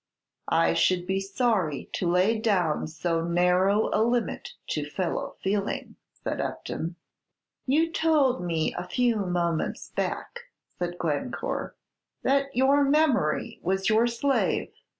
"I should be sorry to lay down so narrow a limit to fellow feeling," said Upton. "You told me a few moments back," said Glencore, "that your memory was your slave.